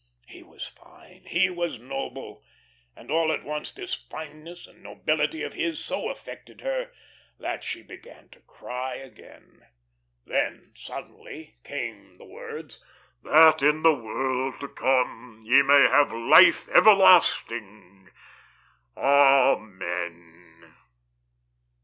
He was fine, he was noble; and all at once this fineness and nobility of his so affected her that she began to cry again. Then suddenly came the words: "... That in the world to come ye may have life everlasting. Amen."